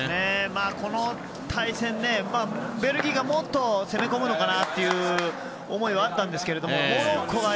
この対戦、ベルギーがもっと攻め込むのかなという思いはあったんですけどもモロッコが、